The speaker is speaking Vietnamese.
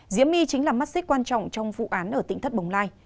diễm my chính là mắt xích quan trọng trong vụ án ở tỉnh thất bồng lai